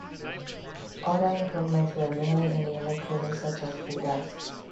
Other improvements were mainly in the electronics, such as radars.